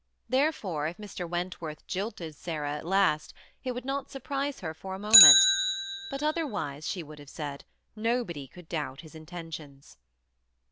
Therefore, if Mr. Wentworth jilted Sarah at last, it would not surprise her for a moment ; but otherwise, she would have said, nobody could doubt his intentions.